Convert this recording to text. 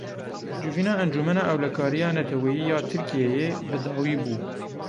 Civîna Encûmena Ewlekariya Netewî ya Tirkiyeyê bi dawî bû.